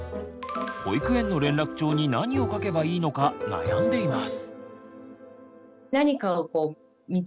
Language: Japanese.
保育園の連絡帳に何を書けばいいのか悩んでいます。